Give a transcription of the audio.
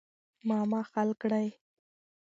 معما حل کړئ.